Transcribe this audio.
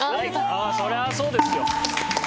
そりゃそうですよ。